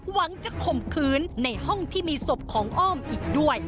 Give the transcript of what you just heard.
หวังจะข่มขืนในห้องที่มีศพของอ้อมอีกด้วย